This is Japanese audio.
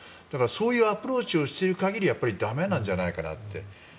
そういうアプローチをしている限り駄目なんじゃないかなと。